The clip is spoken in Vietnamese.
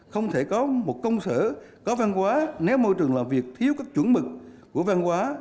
không thể có một công sở có văn hóa nếu môi trường làm việc thiếu các chuẩn mực của văn hóa